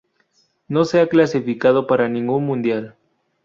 No se ha clasificado para ningún mundial.